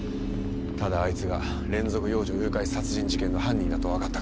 ただあいつが連続幼女誘拐殺人事件の犯人だとわかったから。